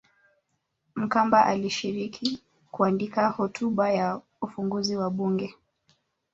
Makamba alishiriki kuandika hotuba ya ufunguzi wa bunge